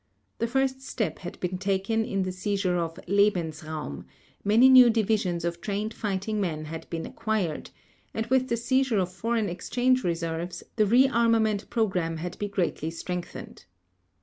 The first step had been taken in the seizure of "Lebensraum"; many new divisions of trained fighting men had been acquired; and with the seizure of foreign exchange reserves, the re armament program had been greatly strengthened.